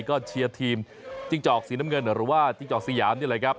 ก็เชียร์ทีมจิ้งจอกสีน้ำเงินหรือว่าจิ้งจอกสยามนี่แหละครับ